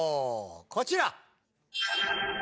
こちら。